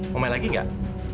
mau main lagi enggak